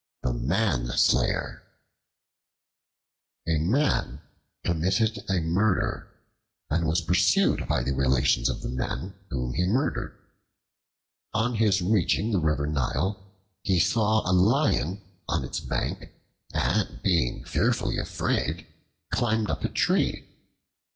The Manslayer A MAN committed a murder, and was pursued by the relations of the man whom he murdered. On his reaching the river Nile he saw a Lion on its bank and being fearfully afraid, climbed up a tree.